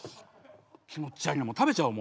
気持ち悪いな食べちゃおう